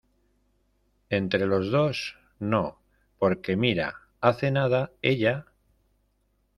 entre los dos, ¿ no? por que mira , hace nada , ella...